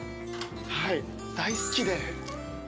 はい大好きで。